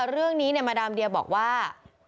เรื่องนี้มาดามเดียบอกว่า